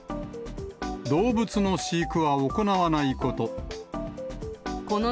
動物の飼育は行わないこと。